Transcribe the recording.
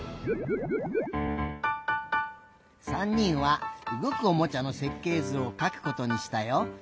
３にんはうごくおもちゃのせっけいずをかくことにしたよ。